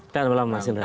selamat malam mas